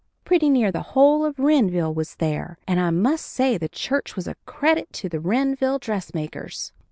Pretty near the whole of Wrenville was there, and I must say the church was a credit to the Wrenville dressmakers.